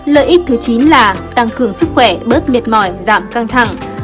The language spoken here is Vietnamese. lợi ích thứ chín là tăng cường sức khỏe bớt mệt mỏi giảm căng thẳng